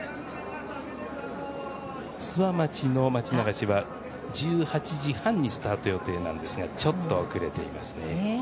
諏訪町の町流しは１８時半にスタート予定ですがちょっと遅れていますね。